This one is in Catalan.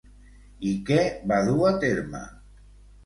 I què va dur a terme?